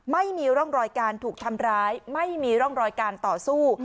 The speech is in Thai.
ไม่มีร่องรอยการถูกทำร้ายไม่มีร่องรอยการต่อสู้